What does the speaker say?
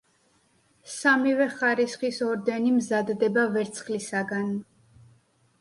სამივე ხარისხის ორდენი მზადდება ვერცხლისაგან.